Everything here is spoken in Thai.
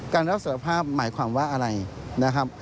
รับสารภาพหมายความว่าอะไรนะครับ